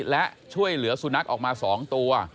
และช่วยเหลือสุนัขออกมา๒ตัว